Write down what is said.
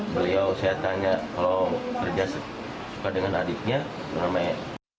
beliau saya tanya kalau kerja suka dengan adiknya namanya